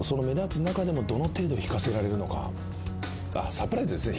サプライズですね。